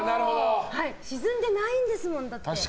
沈んでないんですもん、だって。